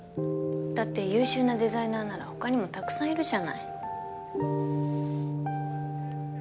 だって優秀なデザイナーなら他にもたくさんいるじゃない？